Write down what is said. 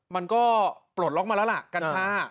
มันก็ปลดล็อกมาแล้วล่ะกัญชา